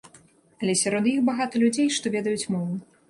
Але сярод іх багата людзей, што ведаюць мову.